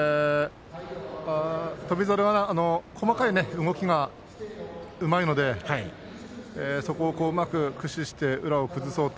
翔猿は細かい動きがうまいのでそこをうまく駆使して宇良を崩そうと。